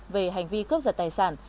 về hành vi cướp giật tài sản